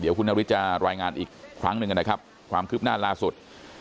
คุณนฤทธิจะรายงานอีกครั้งหนึ่งนะครับความคืบหน้าล่าสุด